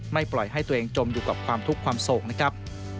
ปล่อยให้ตัวเองจมอยู่กับความทุกข์ความโศกนะครับ